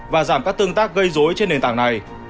và giảm các tương tác gây dối trên nền tảng này